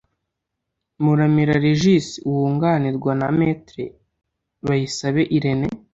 Muramira Regis wunganirwa na Me Bayisabe Irene